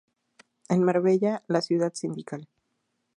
En Marbella, la Ciudad Sindical.